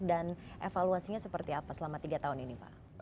dan evaluasinya seperti apa selama tiga tahun ini pak